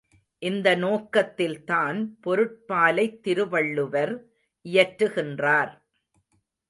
இந்த நோக்கத்தில்தான் பொருட்பாலைத் திருவள்ளுவர் இயற்றுகின்றார்.